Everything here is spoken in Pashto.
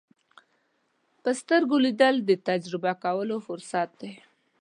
په سترګو لیدل د تجربه کولو فرصت دی